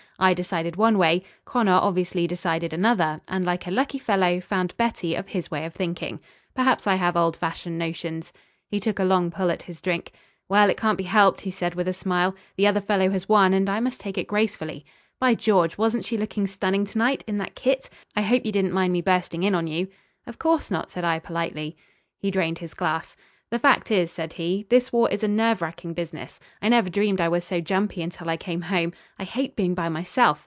I decided one way. Connor obviously decided another, and, like a lucky fellow, found Betty of his way of thinking. Perhaps I have old fashioned notions." He took a long pull at his drink. "Well, it can't be helped," he said with a smile. "The other fellow has won, and I must take it gracefully. ... By George! wasn't she looking stunning to night in that kit? ... I hope you didn't mind my bursting in on you " "Of course not," said I, politely. He drained his glass. "The fact is," said he, "this war is a nerve racking business. I never dreamed I was so jumpy until I came home. I hate being by myself.